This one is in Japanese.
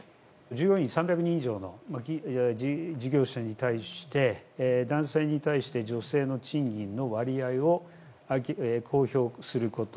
従業員３００人以上の事業者に対して男性に対して女性の賃金の割合を公表すること。